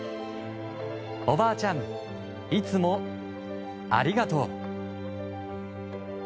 「おばあちゃんいつもありがとう」。